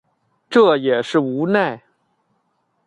这也是无奈